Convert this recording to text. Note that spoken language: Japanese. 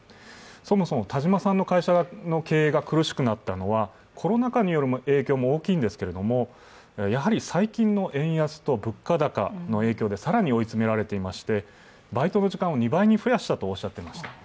そもそも田島さんの会社の経営が苦しくなったのはコロナ禍による影響も大きいんですけれどもやはり最近の円安と物価高の影響で更に追い詰められていましてバイトの時間を２倍に増やしたとおっしゃっていました。